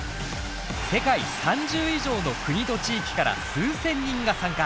世界３０以上の国と地域から数千人が参加。